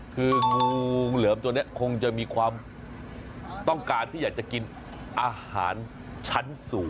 คืองูเหลือมตัวนี้คงจะมีความต้องการที่อยากจะกินอาหารชั้นสูง